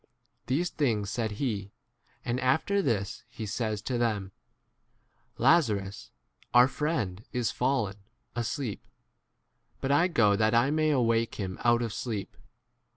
These things said he ; and after this he says to them, Lazarus, our friend, is fallen asleep ; but I go that I may awake 12 him out of sleep.